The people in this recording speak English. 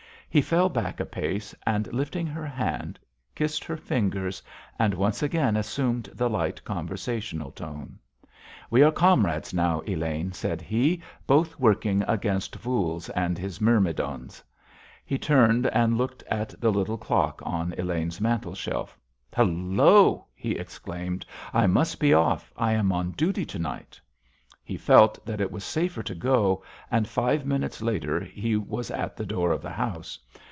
He fell back a pace, and, lifting her hand, kissed her fingers, and once again assumed the light conversational tone. "We are comrades now, Elaine," said he, "both working against Voules and his myrmidons." He turned and looked at the little clock on Elaine's mantelshelf. "Hallo!" he exclaimed, "I must be off; I am on duty to night." He felt that it was safer to go, and five minutes later he was at the door of the house.